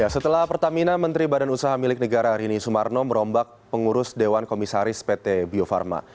setelah pertamina menteri badan usaha milik negara rini sumarno merombak pengurus dewan komisaris pt bio farma